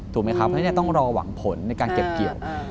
ต้องรอหวังผลในการเก็บเกี่ยว